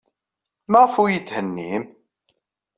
Maɣef ur iyi-tetthennim?